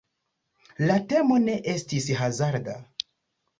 La temo ne estis hazarda.